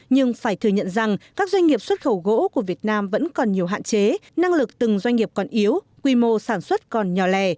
nhưng phải thừa nhận rằng các doanh nghiệp xuất khẩu gỗ của việt nam vẫn còn nhiều hạn chế năng lực từng doanh nghiệp còn yếu quy mô sản xuất còn nhỏ lẻ